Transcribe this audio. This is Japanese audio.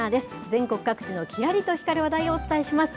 全国各地のきらりと光る話題をお伝えします。